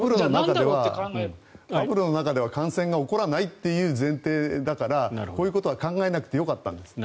バブルの中では感染が起こらないという前提だからこういうことは考えなくてよかったんですよ。